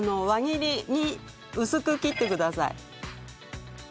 輪切りに薄く切ってください。